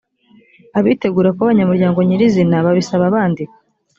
abitegura kuba abanyamuryango nyirizina babisaba bandika